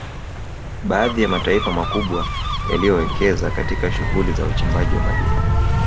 Baadhi ya mataifa makubwa yaliyowekeza katika shughuli za uchimbaji wa madini